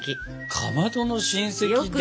かまどの親戚で？